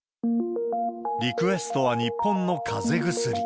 リクエストは日本のかぜ薬。